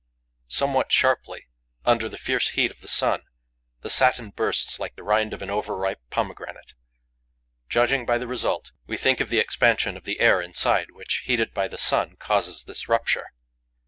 Somewhat sharply, under the fierce heat of the sun, the satin bursts like the rind of an over ripe pomegranate. Judging by the result, we think of the expansion of the air inside, which, heated by the sun, causes this rupture.